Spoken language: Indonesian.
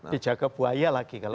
dijaga buaya lagi kalau